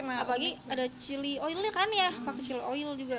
apalagi ada chili oilnya kan ya pakai chili oil juga